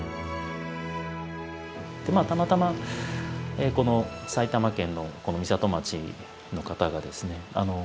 たまたまこの埼玉県の美里町の方がですね